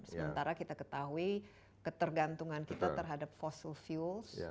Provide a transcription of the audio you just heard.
sementara kita ketahui ketergantungan kita terhadap fossil fuels